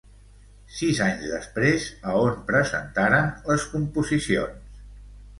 Sis anys després, a on presentaren les composicions?